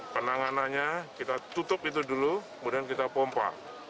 penanganannya kita tutup itu dulu kemudian kita pompa